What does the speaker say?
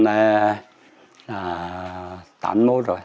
năm tám mươi một rồi